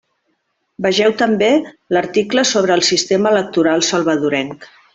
Vegeu també: l'article sobre el sistema electoral salvadorenc.